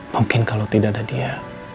mungkin kalau tidak ada dia